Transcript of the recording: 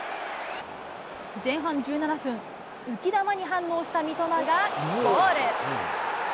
前半１７分、浮き球に反応した三笘がゴール。